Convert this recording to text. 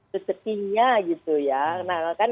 rezekinya gitu ya nah kan